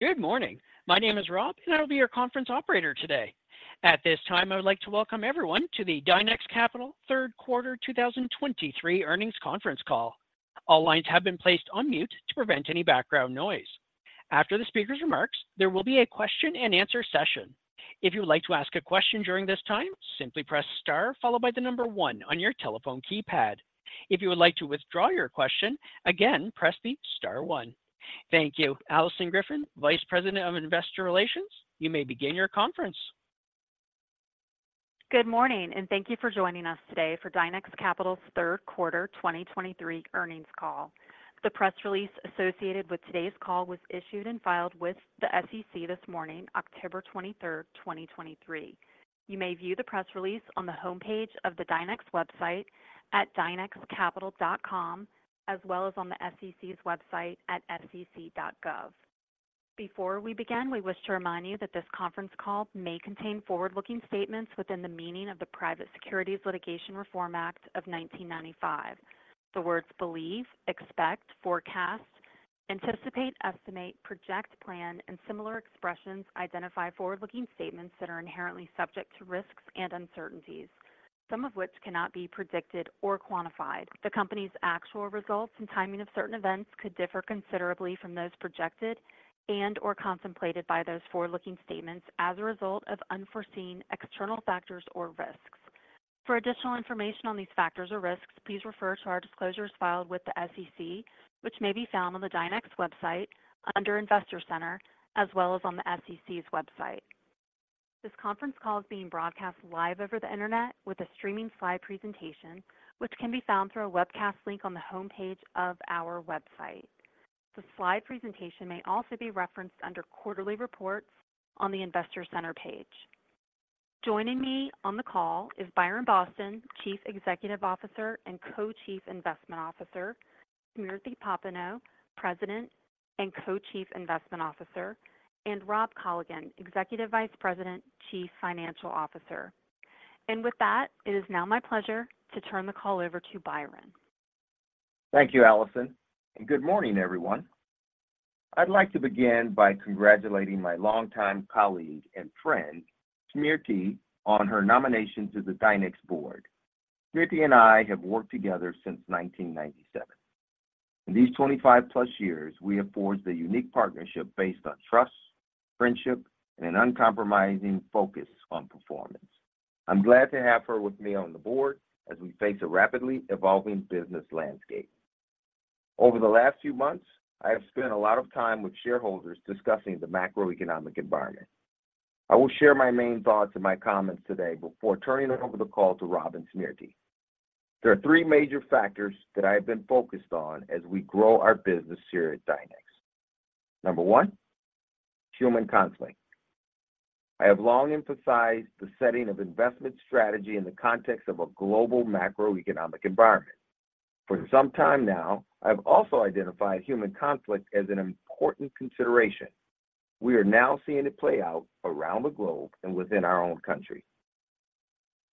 Good morning. My name is Rob, and I will be your conference operator today. At this time, I would like to welcome everyone to the Dynex Capital Third Quarter 2023 Earnings Conference Call. All lines have been placed on mute to prevent any background noise. After the speaker's remarks, there will be a question and answer session. If you would like to ask a question during this time, simply press star followed by the number one on your telephone keypad. If you would like to withdraw your question, again, press the star one. Thank you. Alison Griffin, Vice President of Investor Relations, you may begin your conference. Good morning, and thank you for joining us today for Dynex Capital's third quarter 2023 earnings call. The press release associated with today's call was issued and filed with the SEC this morning, October 23, 2023. You may view the press release on the homepage of the Dynex website at dynexcapital.com, as well as on the SEC's website at sec.gov. Before we begin, we wish to remind you that this conference call may contain forward-looking statements within the meaning of the Private Securities Litigation Reform Act of 1995. The words believe, expect, forecast, anticipate, estimate, project, plan, and similar expressions identify forward-looking statements that are inherently subject to risks and uncertainties, some of which cannot be predicted or quantified. The Company's actual results and timing of certain events could differ considerably from those projected and/or contemplated by those forward-looking statements as a result of unforeseen external factors or risks. For additional information on these factors or risks, please refer to our disclosures filed with the SEC, which may be found on the Dynex website under Investor Center, as well as on the SEC's website. This conference call is being broadcast live over the Internet with a streaming slide presentation, which can be found through a webcast link on the homepage of our website. The slide presentation may also be referenced under Quarterly Reports on the Investor Center page. Joining me on the call is Byron Boston, Chief Executive Officer and Co-Chief Investment Officer, Smriti Popenoe, President and Co-Chief Investment Officer, and Rob Colligan, Executive Vice President, Chief Financial Officer. With that, it is now my pleasure to turn the call over to Byron. Thank you, Alison, and good morning, everyone. I'd like to begin by congratulating my longtime colleague and friend, Smriti, on her nomination to the Dynex Board. Smriti and I have worked together since 1997. In these 25+ years, we have forged a unique partnership based on trust, friendship, and an uncompromising focus on performance. I'm glad to have her with me on the board as we face a rapidly evolving business landscape. Over the last few months, I have spent a lot of time with shareholders discussing the macroeconomic environment. I will share my main thoughts and my comments today before turning over the call to Rob and Smriti. There are three major factors that I have been focused on as we grow our business here at Dynex. Number one, human conflict. I have long emphasized the setting of investment strategy in the context of a global macroeconomic environment. For some time now, I've also identified human conflict as an important consideration. We are now seeing it play out around the globe and within our own country.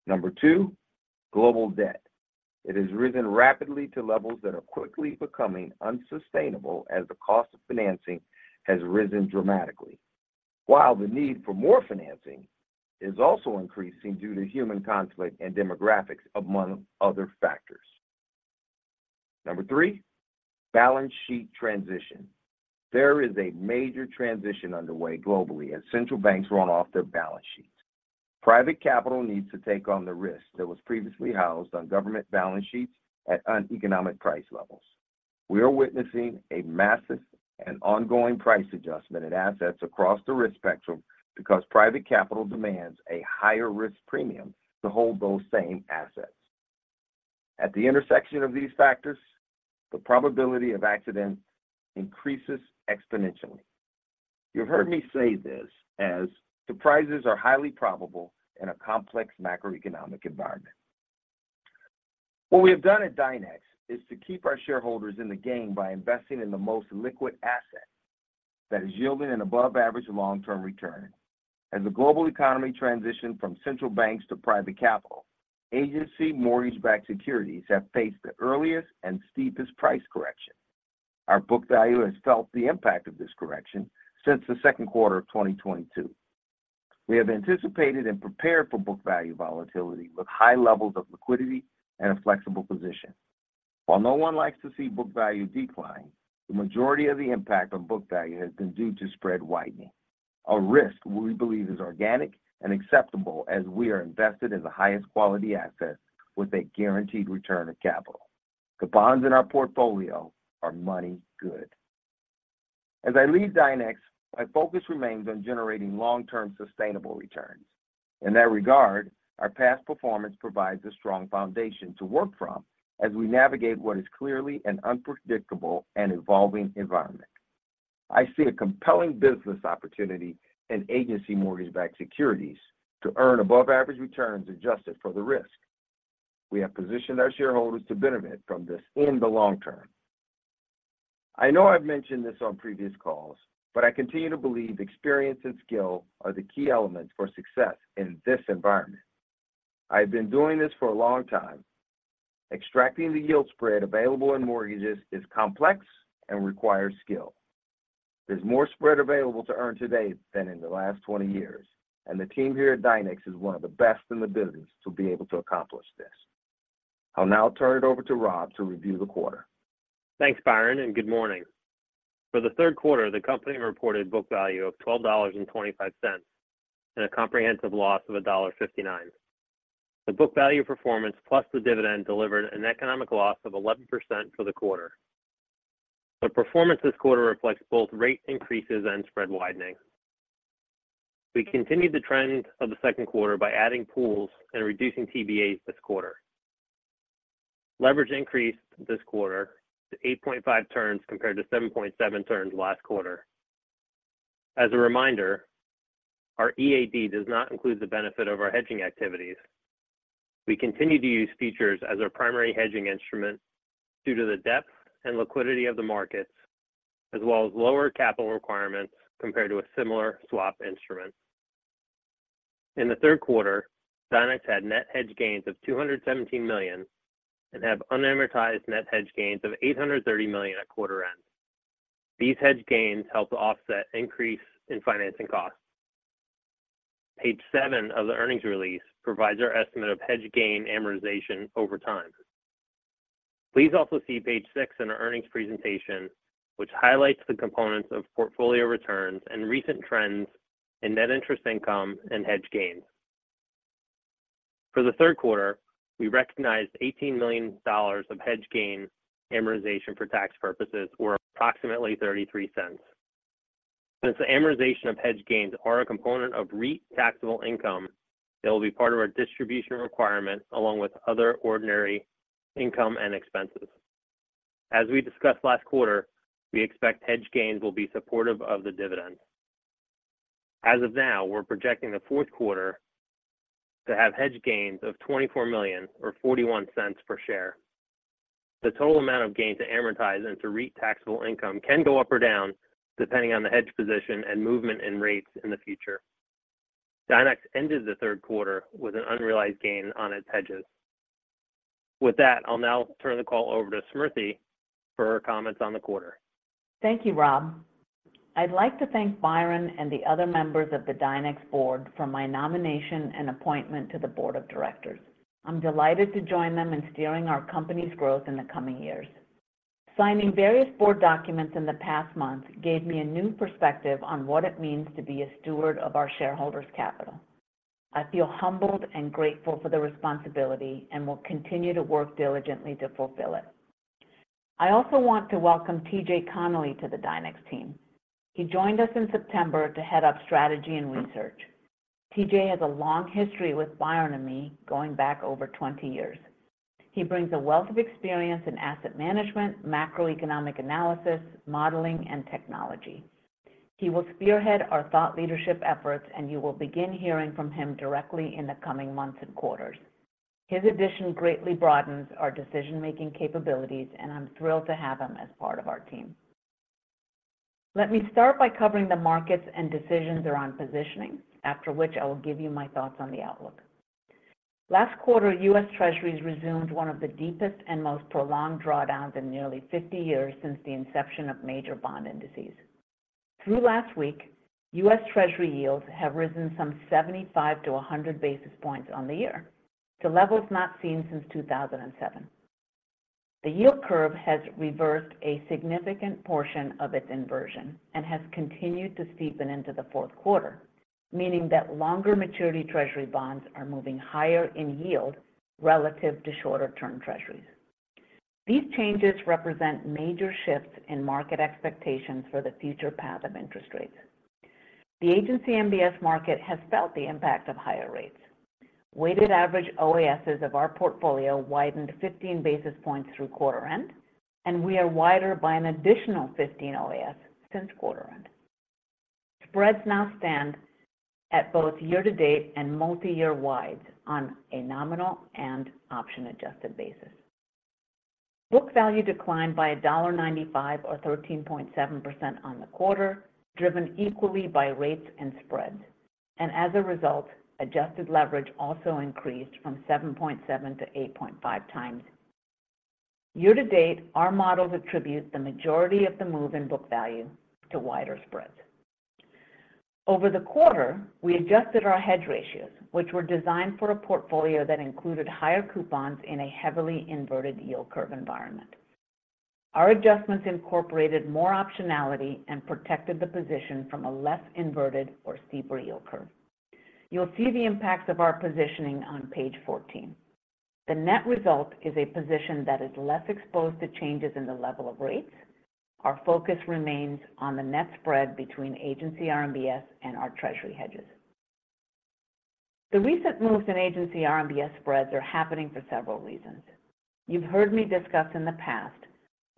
Number two, global debt. It has risen rapidly to levels that are quickly becoming unsustainable as the cost of financing has risen dramatically, while the need for more financing is also increasing due to human conflict and demographics, among other factors. Number three, balance sheet transition. There is a major transition underway globally as central banks run off their balance sheets. Private capital needs to take on the risk that was previously housed on government balance sheets at uneconomic price levels. We are witnessing a massive and ongoing price adjustment in assets across the risk spectrum because private capital demands a higher risk premium to hold those same assets. At the intersection of these factors, the probability of accidents increases exponentially. You've heard me say this as, "Surprises are highly probable in a complex macroeconomic environment." What we have done at Dynex is to keep our shareholders in the game by investing in the most liquid asset that is yielding an above average long-term return. As the global economy transitioned from central banks to private capital, agency Mortgage-Backed Securities have faced the earliest and steepest price correction. Our book value has felt the impact of this correction since the second quarter of 2022. We have anticipated and prepared for book value volatility with high levels of liquidity and a flexible position. While no one likes to see book value decline, the majority of the impact on book value has been due to spread widening, a risk we believe is organic and acceptable as we are invested in the highest quality assets with a guaranteed return of capital. The bonds in our portfolio are money good. As I leave Dynex, my focus remains on generating long-term sustainable returns. In that regard, our past performance provides a strong foundation to work from as we navigate what is clearly an unpredictable and evolving environment. I see a compelling business opportunity in agency Mortgage-Backed Securities to earn above average returns adjusted for the risk. We have positioned our shareholders to benefit from this in the long term. I know I've mentioned this on previous calls, but I continue to believe experience and skill are the key elements for success in this environment.... I've been doing this for a long time. Extracting the yield spread available in mortgages is complex and requires skill. There's more spread available to earn today than in the last 20 years, and the team here at Dynex is one of the best in the business to be able to accomplish this. I'll now turn it over to Rob to review the quarter. Thanks, Byron, and good morning. For the third quarter, the company reported book value of $12.25, and a comprehensive loss of $1.59. The book value performance plus the dividend delivered an economic loss of 11% for the quarter. The performance this quarter reflects both rate increases and spread widening. We continued the trend of the second quarter by adding pools and reducing TBAs this quarter. Leverage increased this quarter to 8.5 turns, compared to 7.7 turns last quarter. As a reminder, our EAD does not include the benefit of our hedging activities. We continue to use futures as our primary hedging instrument due to the depth and liquidity of the markets, as well as lower capital requirements compared to a similar swap instrument. In the third quarter, Dynex had net hedge gains of $217 million, and have unamortized net hedge gains of $830 million at quarter end. These hedge gains helped to offset increase in financing costs. Page 7 of the earnings release provides our estimate of hedge gain amortization over time. Please also see Page 6 in our earnings presentation, which highlights the components of portfolio returns and recent trends in net interest income and hedge gains. For the third quarter, we recognized $18 million of hedge gain amortization for tax purposes, or approximately $0.33. Since the amortization of hedge gains are a component of REIT taxable income, they will be part of our distribution requirement, along with other ordinary income and expenses. As we discussed last quarter, we expect hedge gains will be supportive of the dividend. As of now, we're projecting the fourth quarter to have hedge gains of $24 million or $0.41 per share. The total amount of gain to amortize into REIT taxable income can go up or down, depending on the hedge position and movement in rates in the future. Dynex ended the third quarter with an unrealized gain on its hedges. With that, I'll now turn the call over to Smriti for her comments on the quarter. Thank you, Rob. I'd like to thank Byron and the other members of the Dynex board for my nomination and appointment to the board of directors. I'm delighted to join them in steering our company's growth in the coming years. Signing various board documents in the past month gave me a new perspective on what it means to be a steward of our shareholders' capital. I feel humbled and grateful for the responsibility and will continue to work diligently to fulfill it. I also want to welcome T.J. Connelly to the Dynex team. He joined us in September to head up strategy and research. T.J. has a long history with Byron and me, going back over 20 years. He brings a wealth of experience in asset management, macroeconomic analysis, modeling, and technology. He will spearhead our thought leadership efforts, and you will begin hearing from him directly in the coming months and quarters. His addition greatly broadens our decision-making capabilities, and I'm thrilled to have him as part of our team. Let me start by covering the markets and decisions around positioning, after which I will give you my thoughts on the outlook. Last quarter, U.S. Treasuries resumed one of the deepest and most prolonged drawdowns in nearly 50 years since the inception of major bond indices. Through last week, U.S. Treasury yields have risen some 75-100 basis points on the year, to levels not seen since 2007. The yield curve has reversed a significant portion of its inversion and has continued to steepen into the fourth quarter, meaning that longer maturity Treasury bonds are moving higher in yield relative to shorter-term Treasuries. These changes represent major shifts in market expectations for the future path of interest rates. The Agency MBS market has felt the impact of higher rates. Weighted average OAS of our portfolio widened 15 basis points through quarter end, and we are wider by an additional 15 OAS since quarter end. Spreads now stand at both year-to-date and multiyear wides on a nominal and option-adjusted basis. book value declined by $1.95 or 13.7% on the quarter, driven equally by rates and spreads, and as a result, adjusted leverage also increased from 7.7x to 8.5x. Year-to-date, our models attribute the majority of the move in book value to wider spreads. Over the quarter, we adjusted our hedge ratios, which were designed for a portfolio that included higher coupons in a heavily inverted yield curve environment. Our adjustments incorporated more optionality and protected the position from a less inverted or steeper yield curve. You'll see the impacts of our positioning on Page 14. The net result is a position that is less exposed to changes in the level of rates. Our focus remains on the net spread between agency RMBS and our Treasury hedges. The recent moves in agency RMBS spreads are happening for several reasons. You've heard me discuss in the past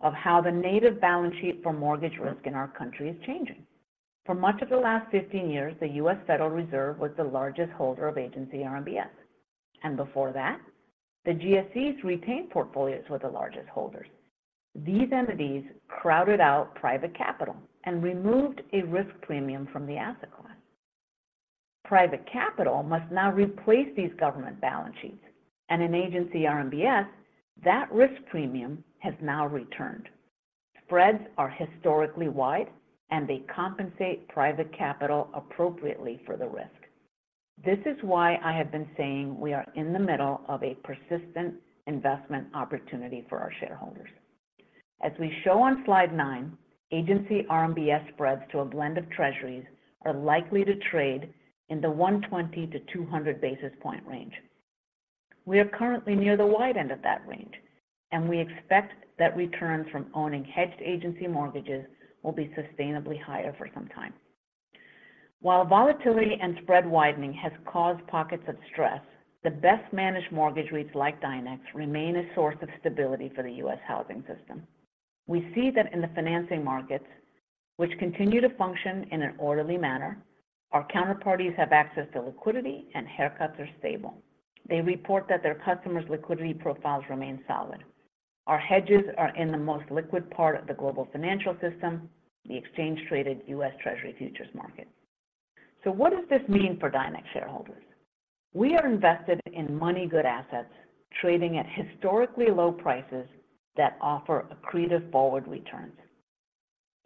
of how the native balance sheet for mortgage risk in our country is changing. For much of the last 15 years, the U.S. Federal Reserve was the largest holder of agency RMBS, and before that, the GSE's retained portfolios were the largest holders... These entities crowded out private capital and removed a risk premium from the asset class. Private capital must now replace these government balance sheets, and in agency RMBS, that risk premium has now returned. Spreads are historically wide, and they compensate private capital appropriately for the risk. This is why I have been saying we are in the middle of a persistent investment opportunity for our shareholders. As we show on Slide 9, agency RMBS spreads to a blend of Treasuries are likely to trade in the 120-200 basis point range. We are currently near the wide end of that range, and we expect that returns from owning hedged agency mortgages will be sustainably higher for some time. While volatility and spread widening has caused pockets of stress, the best-managed mortgage REITs like Dynex remain a source of stability for the U.S. housing system. We see that in the financing markets, which continue to function in an orderly manner, our counterparties have access to liquidity and haircuts are stable. They report that their customers' liquidity profiles remain solid. Our hedges are in the most liquid part of the global financial system, the exchange-traded U.S. Treasury futures market. So what does this mean for Dynex shareholders? We are invested in money good assets, trading at historically low prices that offer accretive forward returns.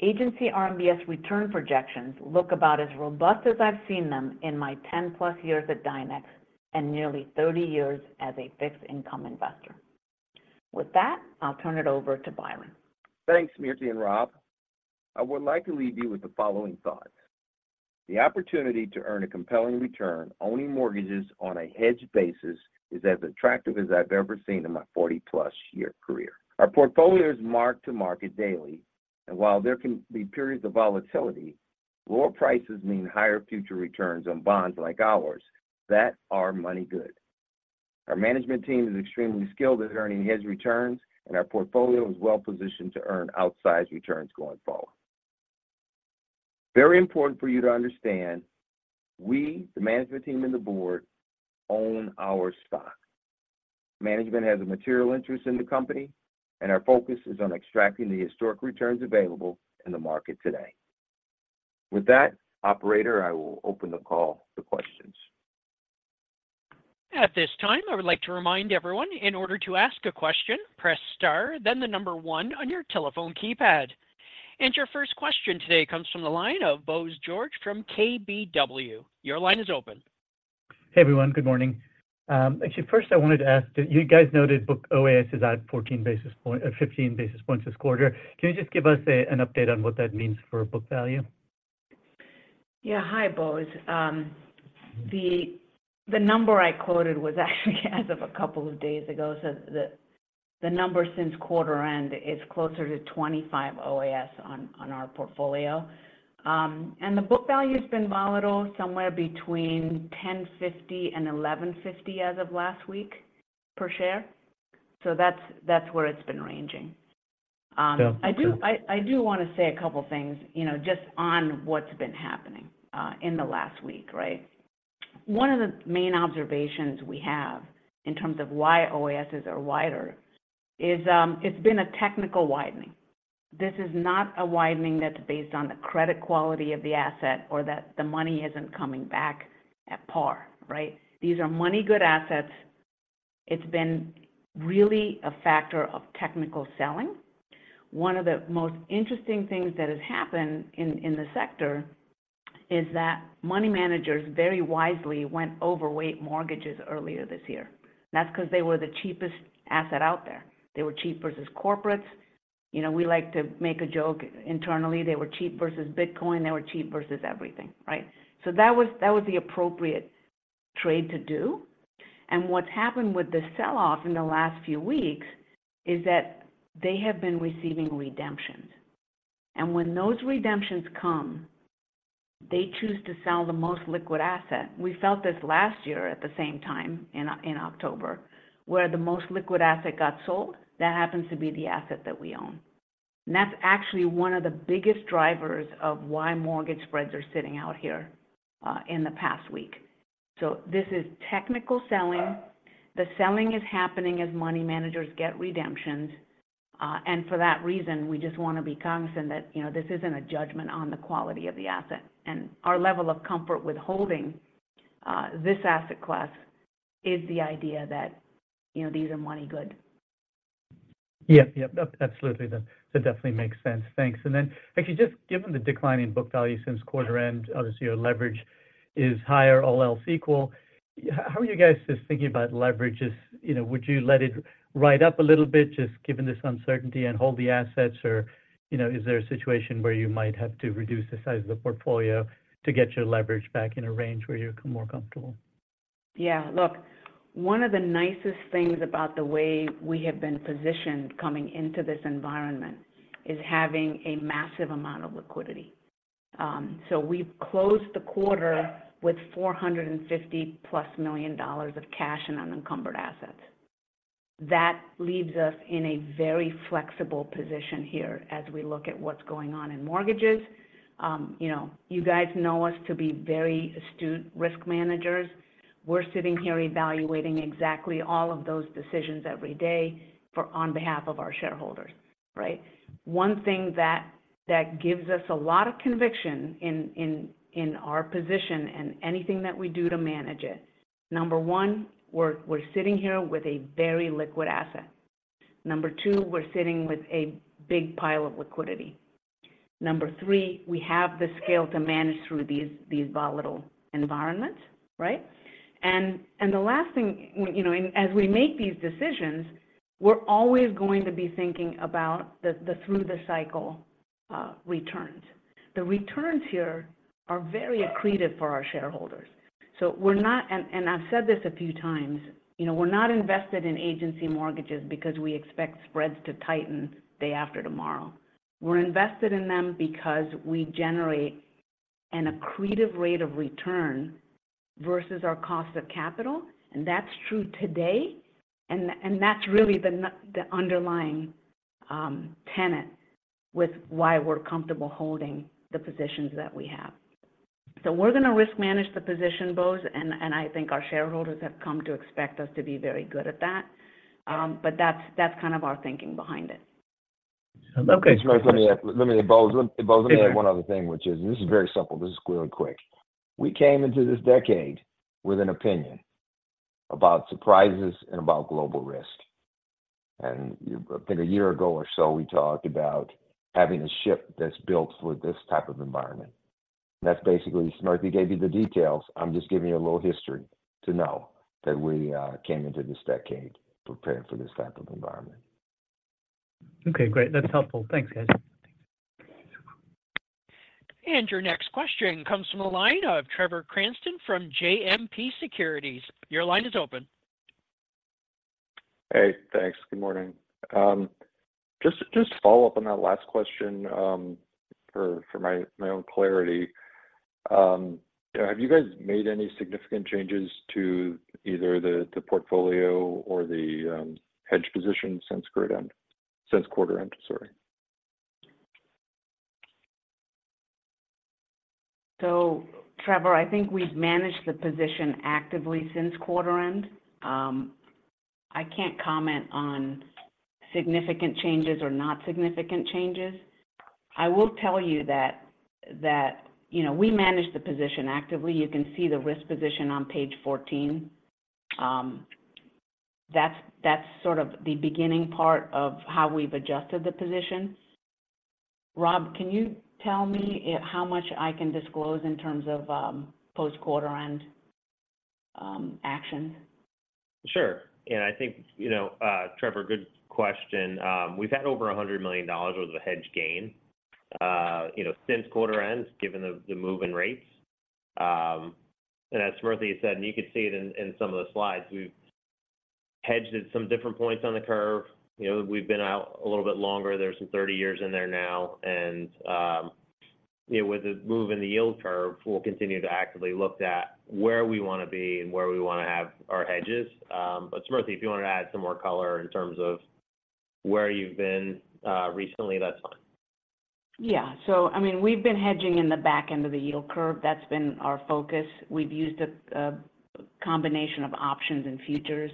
agency RMBS return projections look about as robust as I've seen them in my 10+ years at Dynex and nearly 30 years as a fixed income investor. With that, I'll turn it over to Byron. Thanks, Smriti and Rob. I would like to leave you with the following thoughts: The opportunity to earn a compelling return owning mortgages on a hedged basis is as attractive as I've ever seen in my 40-plus-year career. Our portfolio is marked to market daily, and while there can be periods of volatility, lower prices mean higher future returns on bonds like ours that are money good. Our management team is extremely skilled at earning hedge returns, and our portfolio is well positioned to earn outsized returns going forward. Very important for you to understand, we, the management team and the board, own our stock. Management has a material interest in the company, and our focus is on extracting the historic returns available in the market today. With that, operator, I will open the call to questions. At this time, I would like to remind everyone, in order to ask a question, press star, then the number one on your telephone keypad. Your first question today comes from the line of Bose George from KBW. Your line is open. Hey, everyone. Good morning. Actually, first I wanted to ask, you guys noted book OAS is at 14 basis points—15 basis points this quarter. Can you just give us an update on what that means for book value? Yeah. Hi, Bose. The number I quoted was actually as of a couple of days ago. So the number since quarter end is closer to 25 OAS on our portfolio. And the book value's been volatile, somewhere between $10.50-$11.50 as of last week, per share. So that's where it's been ranging. Yeah. I do want to say a couple of things, you know, just on what's been happening in the last week, right? One of the main observations we have in terms of why OASs are wider is, it's been a technical widening. This is not a widening that's based on the credit quality of the asset or that the money isn't coming back at par, right? These are money good assets. It's been really a factor of technical selling. One of the most interesting things that has happened in the sector is that money managers very wisely went overweight mortgages earlier this year. That's 'cause they were the cheapest asset out there. They were cheap versus corporates. You know, we like to make a joke internally, they were cheap versus Bitcoin, they were cheap versus everything, right? So that was, that was the appropriate trade to do. And what's happened with the sell-off in the last few weeks is that they have been receiving redemptions. And when those redemptions come, they choose to sell the most liquid asset. We felt this last year at the same time in October, where the most liquid asset got sold, that happens to be the asset that we own. And that's actually one of the biggest drivers of why mortgage spreads are sitting out here in the past week. So this is technical selling. The selling is happening as money managers get redemptions and for that reason, we just want to be cognizant that, you know, this isn't a judgment on the quality of the asset. And our level of comfort with holding this asset class is the idea that, you know, these are money good. Yep, yep. Absolutely, that definitely makes sense. Thanks. And then, actually, just given the decline in book value since quarter end, obviously, your leverage is higher, all else equal, how are you guys just thinking about leverage as... You know, would you let it ride up a little bit, just given this uncertainty and hold the assets, or, you know, is there a situation where you might have to reduce the size of the portfolio to get your leverage back in a range where you're more comfortable? Yeah. Look, one of the nicest things about the way we have been positioned coming into this environment is having a massive amount of liquidity. So we've closed the quarter with $450+ million of cash in unencumbered assets. That leaves us in a very flexible position here as we look at what's going on in mortgages. You know, you guys know us to be very astute risk managers. We're sitting here evaluating exactly all of those decisions every day for on behalf of our shareholders... Right? One thing that gives us a lot of conviction in our position and anything that we do to manage it, number one, we're sitting here with a very liquid asset. Number two, we're sitting with a big pile of liquidity. Number three, we have the scale to manage through these volatile environments, right? You know, as we make these decisions, we're always going to be thinking about the through-the-cycle returns. The returns here are very accretive for our shareholders. So we're not, and I've said this a few times, you know, we're not invested in agency mortgages because we expect spreads to tighten day after tomorrow. We're invested in them because we generate an accretive rate of return versus our cost of capital, and that's true today, and that's really the underlying tenet with why we're comfortable holding the positions that we have. So we're gonna risk manage the position, Bose, and I think our shareholders have come to expect us to be very good at that. But that's kind of our thinking behind it. Okay. Smriti, let me add, let me add, Bose. Bose, let me add one other thing, which is, and this is very simple, this is really quick. We came into this decade with an opinion about surprises and about global risk, and I think a year ago or so, we talked about having a ship that's built for this type of environment. That's basically, Smriti gave you the details. I'm just giving you a little history to know that we came into this decade prepared for this type of environment. Okay, great. That's helpful. Thanks, guys. Your next question comes from the line of Trevor Cranston from JMP Securities. Your line is open. Hey, thanks. Good morning. Just to follow up on that last question, for my own clarity, have you guys made any significant changes to either the portfolio or the hedge position since quarter end? Since quarter end, sorry. So Trevor, I think we've managed the position actively since quarter end. I can't comment on significant changes or not significant changes. I will tell you that, you know, we manage the position actively. You can see the risk position on Page 14. That's sort of the beginning part of how we've adjusted the position. Rob, can you tell me if how much I can disclose in terms of post-quarter end action? Sure. And I think, you know, Trevor, good question. We've had over $100 million worth of hedge gain, you know, since quarter end, given the move in rates. And as Smriti said, and you could see it in some of the slides, we've hedged at some different points on the curve. You know, we've been out a little bit longer. There's some 30 years in there now, and, you know, with the move in the yield curve, we'll continue to actively look at where we wanna be and where we wanna have our hedges. But Smriti, if you wanted to add some more color in terms of where you've been, recently, that's fine. Yeah. So I mean, we've been hedging in the back end of the yield curve. That's been our focus. We've used a combination of options and futures.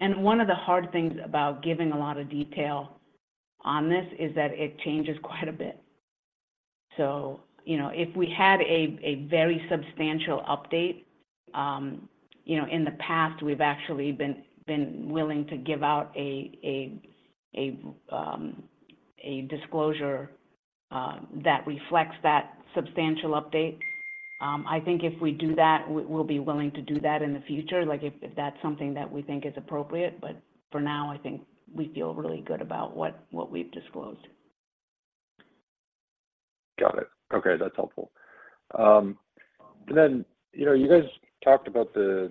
And one of the hard things about giving a lot of detail on this is that it changes quite a bit. So, you know, if we had a very substantial update, you know, in the past, we've actually been willing to give out a disclosure that reflects that substantial update. I think if we do that, we'll be willing to do that in the future, like, if that's something that we think is appropriate. But for now, I think we feel really good about what we've disclosed. Got it. Okay, that's helpful. And then, you know, you guys talked about the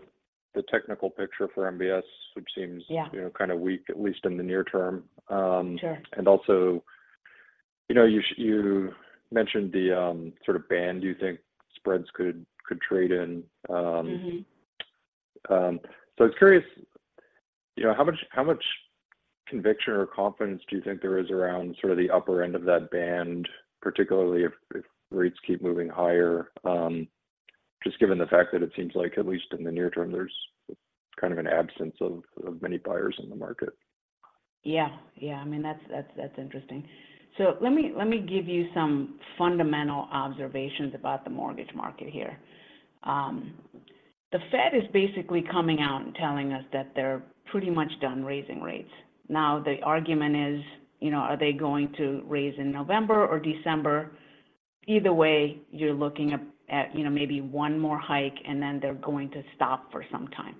technical picture for MBS, which seems- Yeah... you know, kind of weak, at least in the near term. Sure... and also, you know, you mentioned the sort of band you think spreads could trade in. So I was curious, you know, how much conviction or confidence do you think there is around sort of the upper end of that band, particularly if rates keep moving higher? Just given the fact that it seems like, at least in the near term, there's kind of an absence of many buyers in the market. Yeah, yeah. I mean, that's interesting. So let me give you some fundamental observations about the mortgage market here. The Fed is basically coming out and telling us that they're pretty much done raising rates. Now, the argument is, you know, are they going to raise in November or December? Either way, you're looking at, you know, maybe one more hike, and then they're going to stop for some time.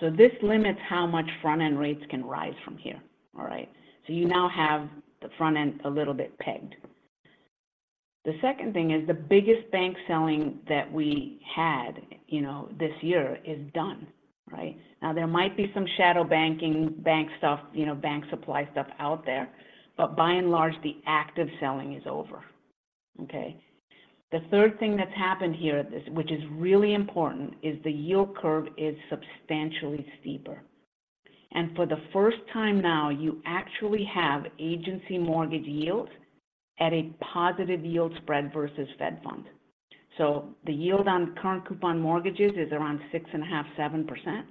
So this limits how much front-end rates can rise from here. All right? So you now have the front end a little bit pegged. The second thing is, the biggest bank selling that we had, you know, this year is done, right? Now, there might be some shadow banking, bank stuff, you know, bank supply stuff out there, but by and large, the active selling is over. Okay? The third thing that's happened here, which is really important, is the yield curve is substantially steeper. And for the first time now, you actually have agency mortgage yields at a positive yield spread versus Fed funds. So the yield on current coupon mortgages is around 6.5%-7%.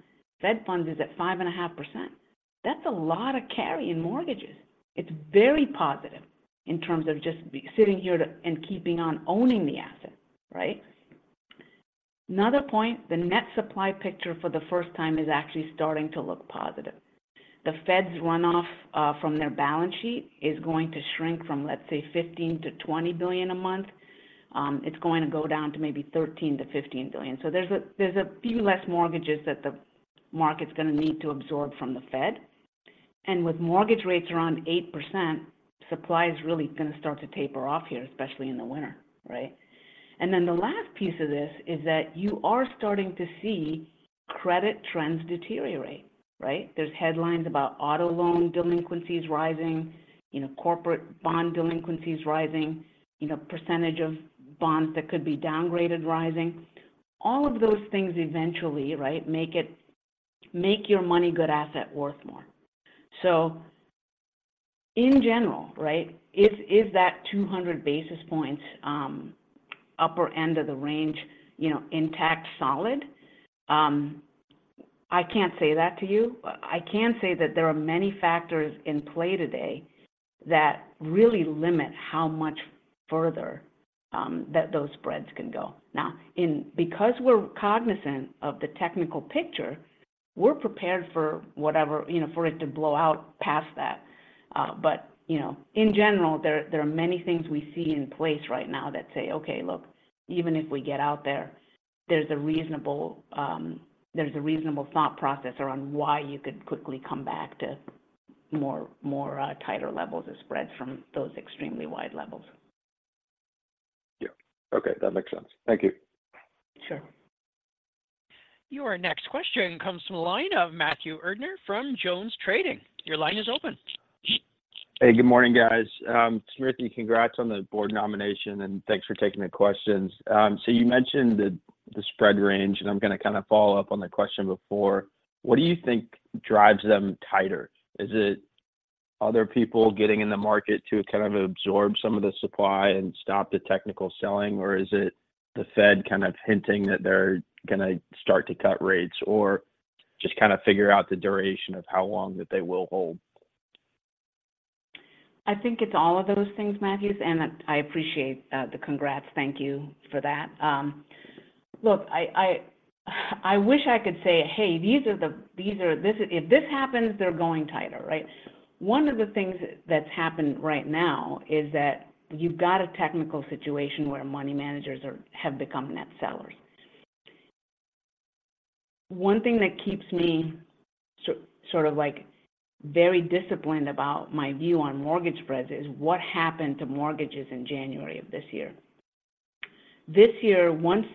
Fed funds is at 5.5%. That's a lot of carry in mortgages. It's very positive in terms of just sitting here and keeping on owning the asset, right? Another point, the net supply picture for the first time is actually starting to look positive. The Fed's runoff from their balance sheet is going to shrink from, let's say, $15 billion-$20 billion a month. It's going to go down to maybe $13 billion-$15 billion. So there's a few less mortgages that the market's gonna need to absorb from the Fed. And with mortgage rates around 8%, supply is really gonna start to taper off here, especially in the winter, right? And then the last piece of this is that you are starting to see credit trends deteriorate, right? There's headlines about auto loan delinquencies rising, you know, corporate bond delinquencies rising, you know, percentage of bonds that could be downgraded, rising. All of those things eventually, right, make your money good asset worth more. So in general, right, is that 200 basis points upper end of the range, you know, intact, solid? I can't say that to you. I can say that there are many factors in play today that really limit how much further that those spreads can go. Now, because we're cognizant of the technical picture, we're prepared for whatever, you know, for it to blow out past that. But, you know, in general, there are many things we see in place right now that say, "Okay, look, even if we get out there, there's a reasonable thought process around why you could quickly come back to more tighter levels of spreads from those extremely wide levels. Yeah. Okay, that makes sense. Thank you. Sure. Your next question comes from the line of Matthew Erdner from JonesTrading. Your line is open. Hey, good morning, guys. Smriti, congrats on the board nomination, and thanks for taking the questions. So you mentioned the spread range, and I'm gonna kind of follow up on the question before. What do you think drives them tighter? Is it other people getting in the market to kind of absorb some of the supply and stop the technical selling, or is it the Fed kind of hinting that they're gonna start to cut rates, or just kind of figure out the duration of how long that they will hold? I think it's all of those things, Matthew, and I appreciate the congrats. Thank you for that. Look, I wish I could say, "Hey, these are the, if this happens, they're going tighter," right? One of the things that's happened right now is that you've got a technical situation where money managers have become net sellers. One thing that keeps me sort of like very disciplined about my view on mortgage spreads is what happened to mortgages in January of this year. This year, once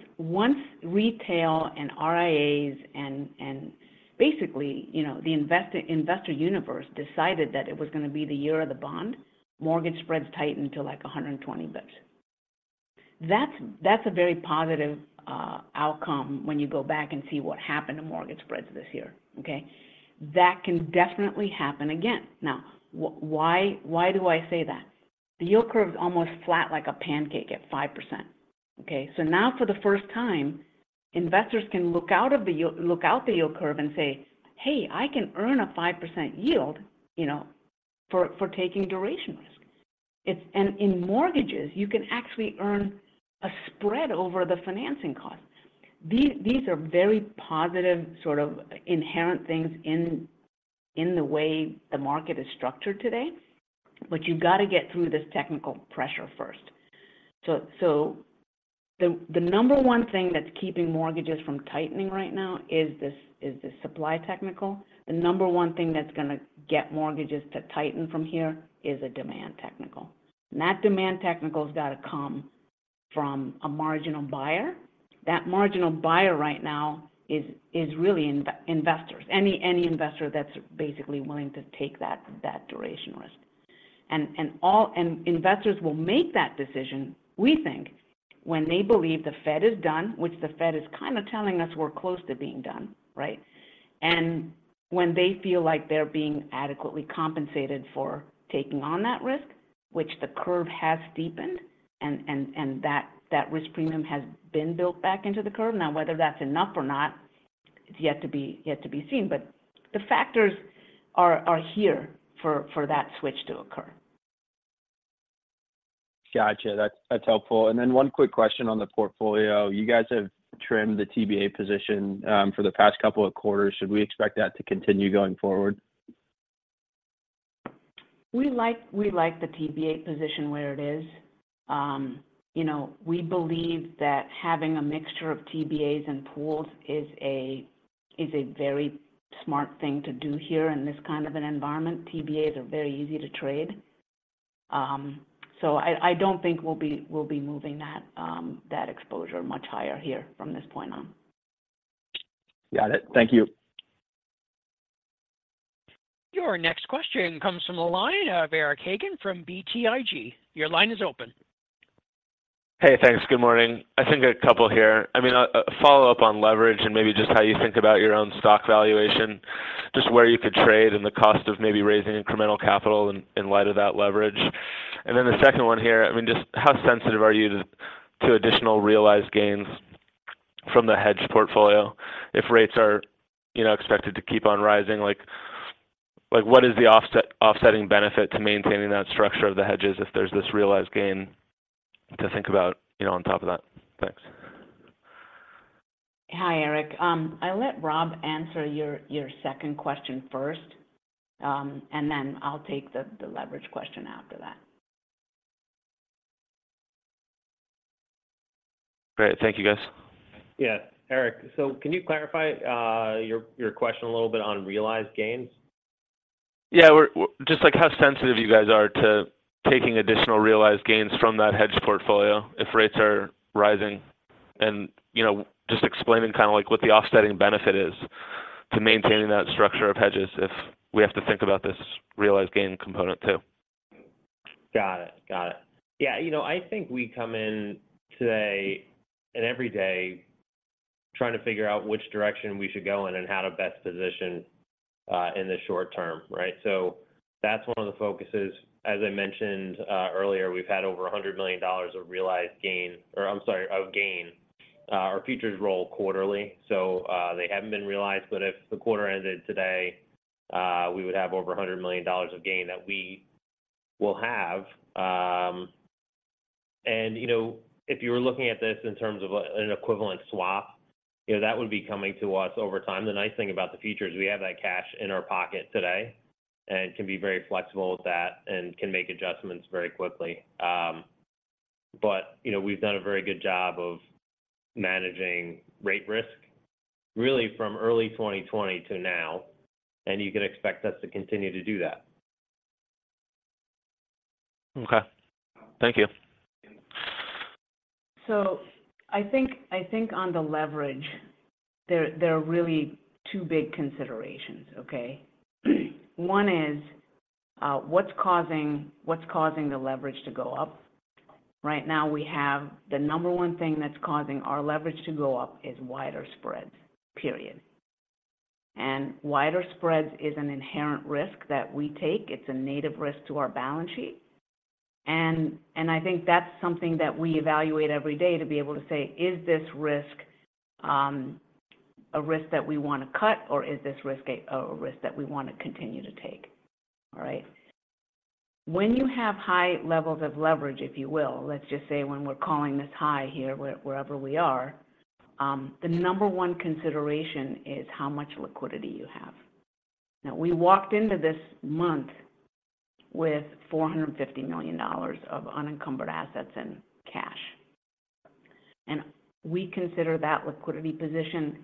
retail and RIAs and basically, you know, the investor universe decided that it was gonna be the year of the bond, mortgage spreads tightened to, like, 120 basis points. That's a very positive outcome when you go back and see what happened to mortgage spreads this year, okay? That can definitely happen again. Now, why, why do I say that? The yield curve is almost flat like a pancake at 5%, okay? So now, for the first time, investors can look out the yield curve and say, "Hey, I can earn a 5% yield, you know, for taking duration risk." It's and in mortgages, you can actually earn a spread over the financing costs. These are very positive, sort of inherent things in the way the market is structured today, but you've got to get through this technical pressure first. So, the number one thing that's keeping mortgages from tightening right now is this supply technical. The number one thing that's gonna get mortgages to tighten from here is a demand technical. And that demand technical has got to come from a marginal buyer. That marginal buyer right now is really investors, any investor that's basically willing to take that duration risk. And investors will make that decision, we think, when they believe the Fed is done, which the Fed is kind of telling us we're close to being done, right? And when they feel like they're being adequately compensated for taking on that risk, which the curve has deepened, and that risk premium has been built back into the curve. Now, whether that's enough or not, it's yet to be seen, but the factors are here for that switch to occur. Gotcha. That's, that's helpful. And then one quick question on the portfolio. You guys have trimmed the TBA position for the past couple of quarters. Should we expect that to continue going forward? We like, we like the TBA position where it is. You know, we believe that having a mixture of TBAs and pools is a, is a very smart thing to do here in this kind of an environment. TBAs are very easy to trade. So I, I don't think we'll be, we'll be moving that, that exposure much higher here from this point on. Got it. Thank you. Your next question comes from the line of Eric Hagen from BTIG. Your line is open. Hey, thanks. Good morning. I think a couple here. I mean, a follow-up on leverage and maybe just how you think about your own stock valuation.... just where you could trade and the cost of maybe raising incremental capital in light of that leverage. And then the second one here, I mean, just how sensitive are you to additional realized gains from the hedge portfolio if rates are, you know, expected to keep on rising? Like, what is the offsetting benefit to maintaining that structure of the hedges if there's this realized gain to think about, you know, on top of that? Thanks. Hi, Eric. I'll let Rob answer your second question first, and then I'll take the leverage question after that. Great. Thank you, guys. Yeah. Eric, so can you clarify your question a little bit on realized gains? Yeah. Just like how sensitive you guys are to taking additional realized gains from that hedge portfolio if rates are rising and, you know, just explaining kind of like what the offsetting benefit is to maintaining that structure of hedges if we have to think about this realized gain component, too. Got it. Got it. Yeah, you know, I think we come in today, and every day, trying to figure out which direction we should go in and how to best position in the short term, right? So that's one of the focuses. As I mentioned earlier, we've had over $100 million of realized gain, or I'm sorry, of gain. Our futures roll quarterly, so they haven't been realized, but if the quarter ended today, we would have over $100 million of gain that we will have. And, you know, if you were looking at this in terms of an equivalent swap, you know, that would be coming to us over time. The nice thing about the future is we have that cash in our pocket today, and can be very flexible with that, and can make adjustments very quickly. But, you know, we've done a very good job of managing rate risk, really from early 2020 to now, and you can expect us to continue to do that. Okay. Thank you. So I think on the leverage, there are really two big considerations, okay? One is, what's causing the leverage to go up? Right now, we have the number one thing that's causing our leverage to go up is wider spreads, period. And wider spreads is an inherent risk that we take. It's a native risk to our balance sheet. And I think that's something that we evaluate every day to be able to say, "Is this risk a risk that we want to cut, or is this risk a risk that we want to continue to take?" All right. When you have high levels of leverage, if you will, let's just say when we're calling this high here, wherever we are, the number one consideration is how much liquidity you have. Now, we walked into this month with $450 million of unencumbered assets and cash, and we consider that liquidity position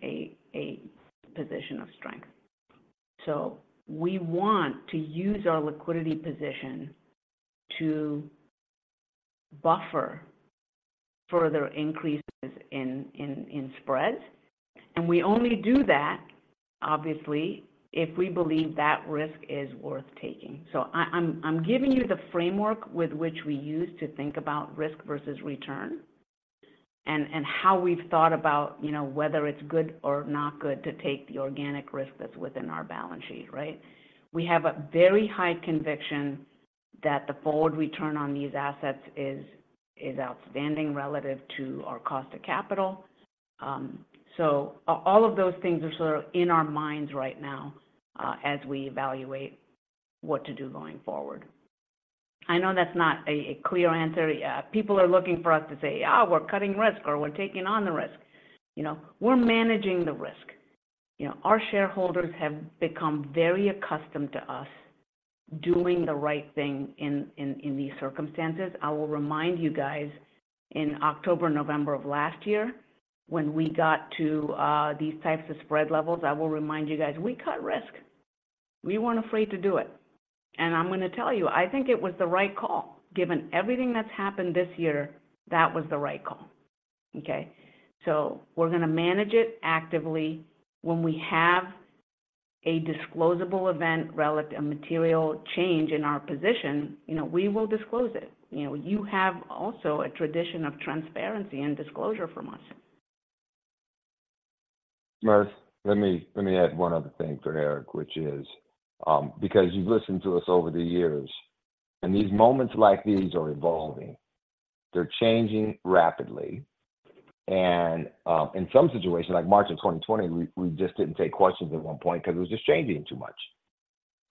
a position of strength. So we want to use our liquidity position to buffer further increases in spreads, and we only do that, obviously, if we believe that risk is worth taking. So I'm giving you the framework with which we use to think about risk versus return, and how we've thought about, you know, whether it's good or not good to take the organic risk that's within our balance sheet, right? We have a very high conviction that the forward return on these assets is outstanding relative to our cost of capital. So all of those things are sort of in our minds right now, as we evaluate what to do going forward. I know that's not a clear answer. People are looking for us to say, "Ah, we're cutting risk," or, "We're taking on the risk." You know, we're managing the risk. You know, our shareholders have become very accustomed to us doing the right thing in these circumstances. I will remind you guys, in October, November of last year, when we got to these types of spread levels, I will remind you guys, we cut risk. We weren't afraid to do it. And I'm going to tell you, I think it was the right call. Given everything that's happened this year, that was the right call, okay? So we're going to manage it actively. When we have a disclosable event, a material change in our position, you know, we will disclose it. You know, you have also a tradition of transparency and disclosure from us. Smriti, let me, let me add one other thing for Eric, which is, because you've listened to us over the years, and these moments like these are evolving. They're changing rapidly. And, in some situations, like March of 2020, we just didn't take questions at one point because it was just changing too much.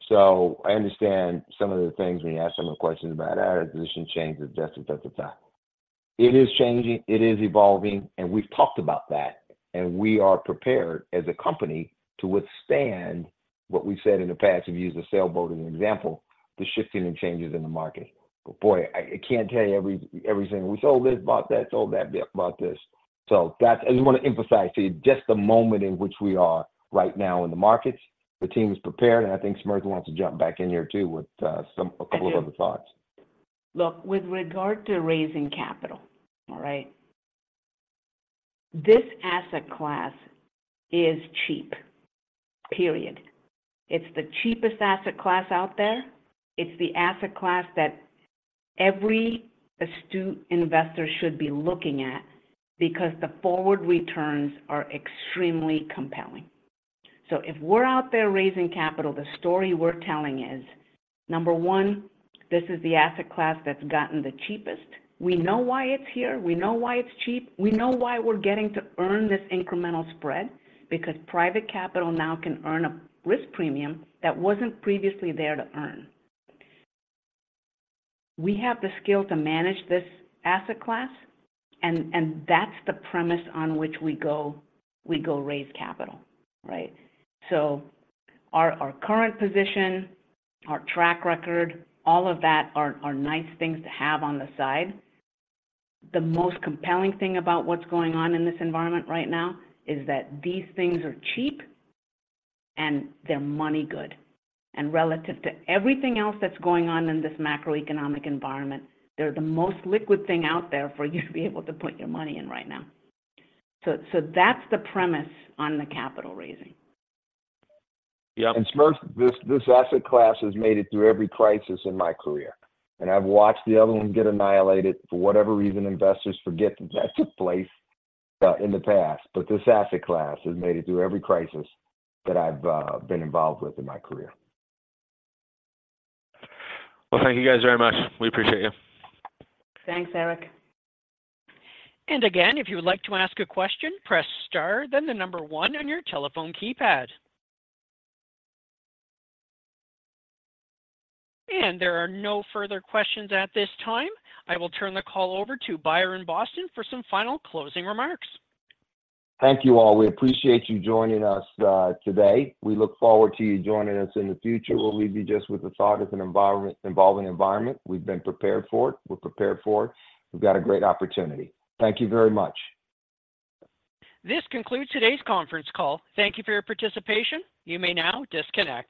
So I understand some of the things when you ask some of the questions about position changes, just at the time. It is changing, it is evolving, and we've talked about that, and we are prepared as a company to withstand what we said in the past, if you use the sailboat as an example, the shifting and changes in the market. But boy, I can't tell you every single... We sold this, bought that, sold that, bought this. So that's, I just want to emphasize to you just the moment in which we are right now in the markets. The team is prepared, and I think Smriti wants to jump back in here too, with a couple of other thoughts. Look, with regard to raising capital, all right? This asset class is cheap, period. It's the cheapest asset class out there. It's the asset class that every astute investor should be looking at because the forward returns are extremely compelling. So if we're out there raising capital, the story we're telling is, number one, this is the asset class that's gotten the cheapest. We know why it's here. We know why it's cheap. We know why we're getting to earn this incremental spread, because private capital now can earn a risk premium that wasn't previously there to earn. We have the skill to manage this asset class, and, and that's the premise on which we go, we go raise capital, right? So our, our current position, our track record, all of that are, are nice things to have on the side. The most compelling thing about what's going on in this environment right now is that these things are cheap, and they're money good. And relative to everything else that's going on in this macroeconomic environment, they're the most liquid thing out there for you to be able to put your money in right now. So, that's the premise on the capital raising. Yeah, and Smriti, this asset class has made it through every crisis in my career, and I've watched the other one get annihilated. For whatever reason, investors forget that that took place in the past. But this asset class has made it through every crisis that I've been involved with in my career. Well, thank you guys very much. We appreciate you. Thanks, Eric. Again, if you would like to ask a question, press star, then the number one on your telephone keypad. There are no further questions at this time. I will turn the call over to Byron Boston for some final closing remarks. Thank you, all. We appreciate you joining us, today. We look forward to you joining us in the future, where we'll leave you just with the thought of an evolving environment. We've been prepared for it. We're prepared for it. We've got a great opportunity. Thank you very much. This concludes today's conference call. Thank you for your participation. You may now disconnect.